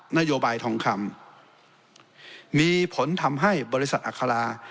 นโยบายทองคำมีผลทำให้บริษัทอัครา